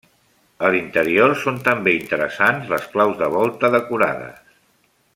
A l'interior, són també interessants les claus de volta decorades.